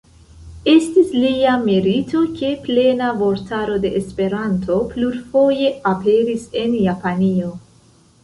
Estis lia merito ke Plena Vortaro de Esperanto plurfoje aperis en Japanio.